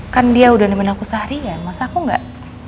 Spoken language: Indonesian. kan dia udah nemen aku seharian masa aku gak